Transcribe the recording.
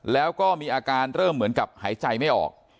แล้วก็มีอาการเริ่มเหมือนกับหายใจไม่ออก